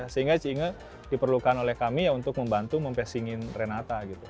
sehingga cie inge diperlukan oleh kami untuk membantu mempesingin renata